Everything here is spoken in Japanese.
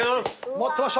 待ってました！